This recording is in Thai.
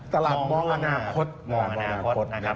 ตลาดมองอนาคตนะครับมองอนาคต